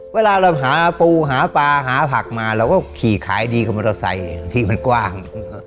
เวลาเราหาปู่หาปลาหาผักมาเราก็ขี่ขายดีเขามาเราใส่ที่มันกว้าง